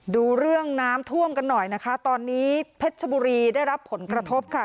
ดูเรื่องน้ำท่วมกันหน่อยนะคะตอนนี้เพชรชบุรีได้รับผลกระทบค่ะ